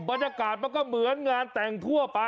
บรรยากาศมันก็เหมือนงานแต่งทั่วไป